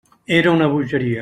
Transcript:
Era una bogeria.